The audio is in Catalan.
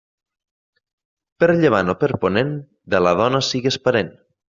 Per llevant o per ponent, de la dona sigues parent.